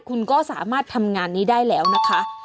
คุณก็สามารถทำงานนี้ได้แล้วนะคะ